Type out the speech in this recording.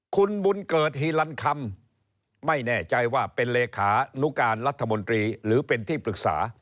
คุณบุญเกิดฮิลันคำไม่แน่ใจว่าเป็นเลขานุการรัฐมนตรีหรือเป็นที่ปรึกษา